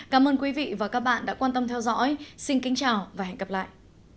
cảm ơn quý vị và các bạn đã quan tâm theo dõi xin kính chào và hẹn gặp lại